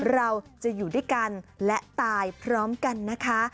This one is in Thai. เราจะอยู่ด้วยกันและตายพร้อมกันนะคะ